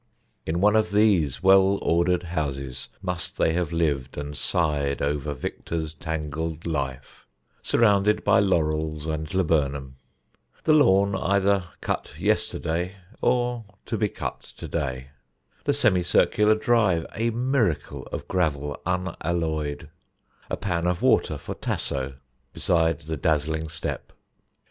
In one of these well ordered houses must they have lived and sighed over Victor's tangled life surrounded by laurels and laburnum; the lawn either cut yesterday or to be cut to day; the semicircular drive a miracle of gravel unalloyed; a pan of water for Tasso beside the dazzling step.